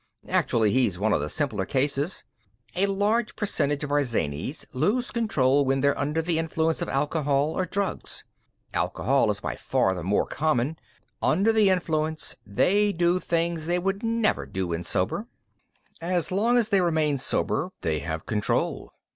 "Actually, he's one of the simpler cases. A large percentage of our zanies lose control when they're under the influence of alcohol or drugs. Alcohol is by far the more common. Under the influence, they do things they would never do when sober. "As long as they remain sober, they have control.